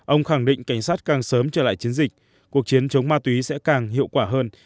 ông khẳng định cảnh sát càng sớm trở lại chiến dịch cuộc chiến chống ma túy sẽ càng hiệu quả hơn